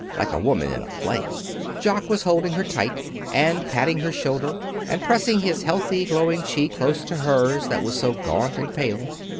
like a woman in a play. Jock was holding her tight, and patting her shoulder, and pressing his healthy, glowing cheek close to hers that was so gaunt and pale.